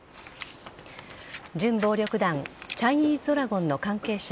準暴力団チャイニーズドラゴンの関係者